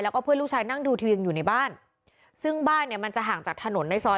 แล้วก็เพื่อนลูกชายนั่งดูทีวีอยู่ในบ้านซึ่งบ้านเนี่ยมันจะห่างจากถนนในซอย